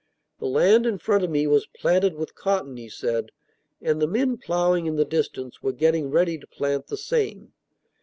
The land in front of me was planted with cotton, he said; and the men ploughing in the distance were getting ready to plant the same.